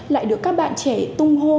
lại được các bạn trẻ tung hô